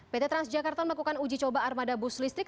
pt transjakarta melakukan uji coba armada bus listrik